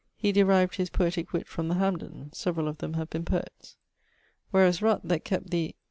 He derived his poëtick witt from the Hamdens; severall of them have been poets. Whereas Rutt, that kept the